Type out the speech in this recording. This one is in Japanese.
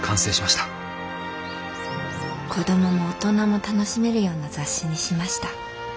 子どもも大人も楽しめるような雑誌にしました。